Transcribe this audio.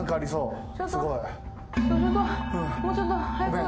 もうちょっと速く。